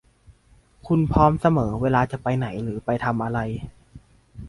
คุณพร้อมเสมอเวลาจะไปไหนหรือไปทำอะไร